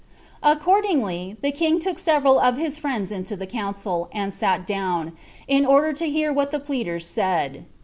Accordingly, the king took several of his friends into the council, and sat down, in order to hear what the pleaders said.